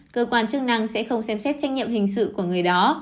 cơ quan chức năng sẽ không xem xét trách nhiệm hình sự của người đó